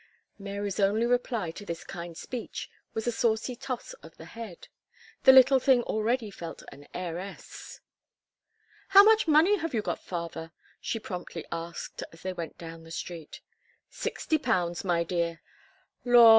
Mary's only reply to this kind speech, was a saucy toss of the head. The little thing already felt an heiress. "How much money have you got, father?" she promptly asked, as they went down the street, "Sixty pounds, my dear." "Law!